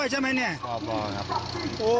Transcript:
โห